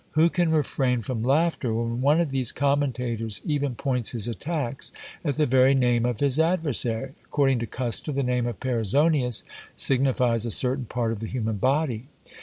Who can refrain from laughter, when one of these commentators even points his attacks at the very name of his adversary? According to Kuster, the name of Perizonius signifies a certain part of the human body.